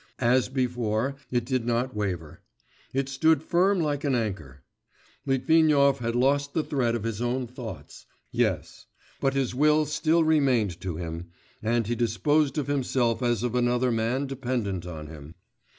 As before, it did not waver; it stood firm like an anchor. Litvinov had lost the thread of his own thoughts ... yes; but his will still remained to him, and he disposed of himself as of another man dependent on him.